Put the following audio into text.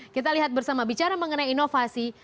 kita lihat bersama bicara mengenai inovasi